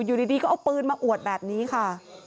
อยู่ดีก็เอาปืนมาอวดแบบนี้ค่ะ